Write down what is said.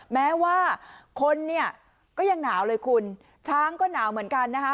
แม้ว่าคนเนี่ยก็ยังหนาวเลยคุณช้างก็หนาวเหมือนกันนะคะ